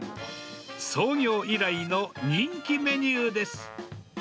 創業以来の人気メニューです。